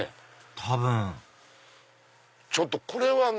多分ちょっとこれはね